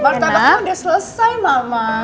martabak sudah selesai mama